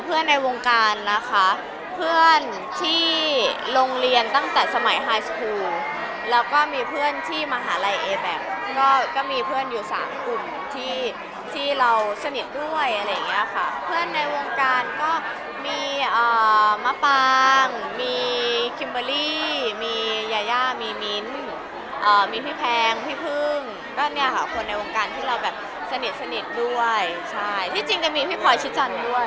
ในวงการนะคะเพื่อนที่โรงเรียนตั้งแต่สมัยไฮสภูแล้วก็มีเพื่อนที่มหาลัยเอแบบก็ก็มีเพื่อนอยู่สามกลุ่มที่ที่เราสนิทด้วยอะไรอย่างเงี้ยค่ะเพื่อนในวงการก็มีมะปางมีคิมเบอร์รี่มียาย่ามีมิ้นมีพี่แพงพี่พึ่งก็เนี่ยค่ะคนในวงการที่เราแบบสนิทสนิทด้วยใช่ที่จริงจะมีพี่พลอยชิดจังด้วย